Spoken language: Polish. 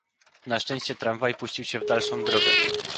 "Na szczęście tramwaj puścił się w dalszą drogę."